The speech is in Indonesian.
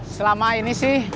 selama ini sih